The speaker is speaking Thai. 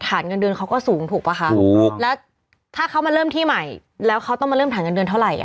เงินเดือนเขาก็สูงถูกป่ะคะถูกแล้วถ้าเขามาเริ่มที่ใหม่แล้วเขาต้องมาเริ่มฐานเงินเดือนเท่าไหร่อ่ะ